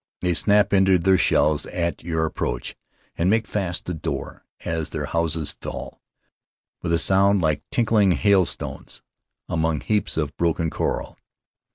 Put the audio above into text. They snap into their shells at your approach and make fast the door as their houses fall, with a sound like the tinkling of hailstones, among heaps of broken coral.